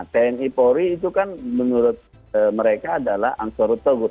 tni pori itu kan menurut mereka adalah angsor tawud